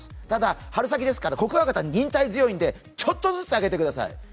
ただ春先ですから、コクワガタ、忍耐強いのでちょっとずつあげてください。